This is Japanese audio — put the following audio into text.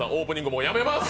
もうやめます！